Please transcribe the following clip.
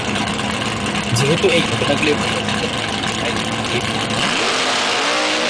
যেহেতু এই ঘটনাগুলি প্রকাশিত হয়নি, তাই একটি এইডস ভীতি ছড়িয়ে পড়ে।